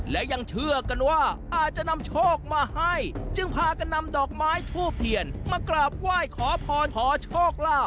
และยังเชื่อกันว่าอาจจะนำโชคมาให้จึงพากันนำดอกไม้ทูบเทียนมากราบไหว้ขอพรขอโชคลาภ